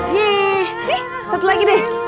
nih satu lagi deh